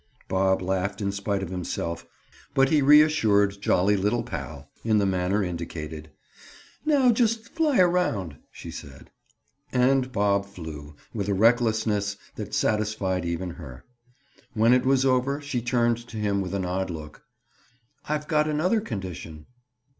Bob laughed in spite of himself, but he reassured "jolly little pal," in the manner indicated. "Now just fly around," she said. And Bob "flew" with a recklessness that satisfied even her. When it was over she turned to him with an odd look. "I've got another condition."